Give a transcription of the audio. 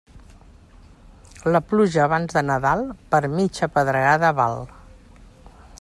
La pluja abans de Nadal, per mitja pedregada val.